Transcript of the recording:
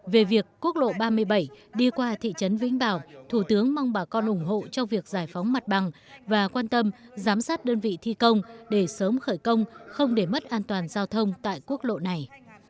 về việc quốc lộ ba mươi bảy đi qua thị trấn vĩnh bảo thủ tướng mong bà con ủng hộ trong việc giải phóng mặt bằng và quan tâm giám sát đơn vị thi công để sớm khởi công không để mất an toàn giao thông tại quốc lộ này